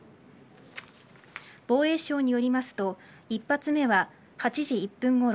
防衛省によりますと１発目は８時１分ごろ